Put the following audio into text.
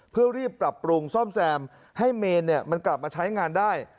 เพื่อรีบปรับปรุงซ่อมแซมให้เมนมันกลับมาใช้งานได้